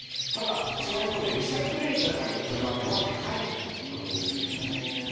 ただその一方でリサイクル率はやっぱり富山県は高いという事ですけどね。